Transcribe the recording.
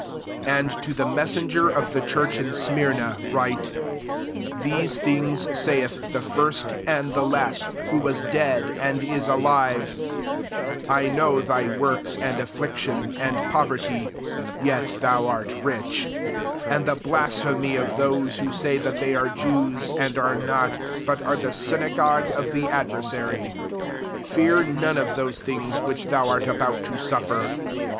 * 8 " And to the messenger of the church in Smyrna write; * These things saith the first and the last, who was dead, and is alive : 9 I know thy [works ^ and] affliction, and poverty, (yet thou art rich,) and the blasphemy of those who say that they are Jews, and arc not, but are the synagogue of the adversary.! 10 Fear none of those things which thou art about to suffer.